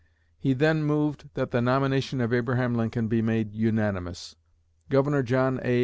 He then moved that the nomination of Abraham Lincoln be made unanimous. Governor John A.